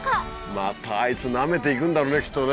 またあいつナメて行くんだろうねきっとね。